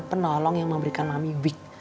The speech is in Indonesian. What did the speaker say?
penolong yang memberikan mami big